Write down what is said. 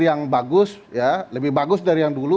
yang bagus lebih bagus dari yang dulu